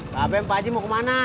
pak bem pak haji mau kemana